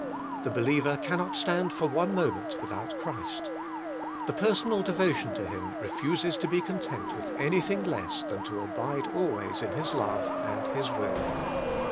The believer cannot stand for one moment without Christ. The per sonal devotion to Him refuses to be content with anything less than to abide always in His love and His will.